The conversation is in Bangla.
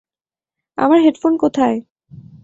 আমার হেডফোন কোথায়?